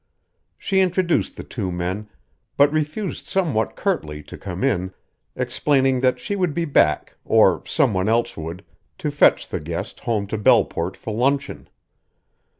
She introduced the two men but refused somewhat curtly to come in, explaining that she would be back, or some one else would, to fetch the guest home to Belleport for luncheon.